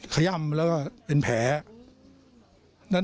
ขย่ำแล้วก็เป็นแผล